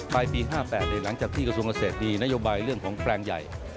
ปลายปี๕๘หลังจากที่กระทรวงเกษตรมีนโยบายเรื่องของแปลงใหญ่